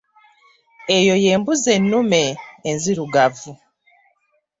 Eyo ye mbuzi ennume enzirugavu.